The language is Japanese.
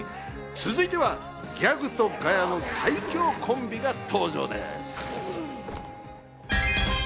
続いてはギャグとガヤの最強コンビが登場です。